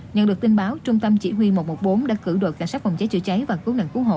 nhận được tin báo trung tâm chỉ huy một trăm một mươi bốn đã cử đội cảnh sát phòng cháy chữa cháy và cứu nạn cứu hộ